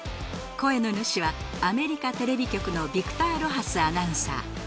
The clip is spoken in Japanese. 声の主はアメリカテレビ局のビクター・ロハスアナウンサー。